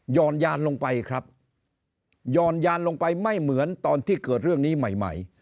อนยานลงไปครับหย่อนยานลงไปไม่เหมือนตอนที่เกิดเรื่องนี้ใหม่ใหม่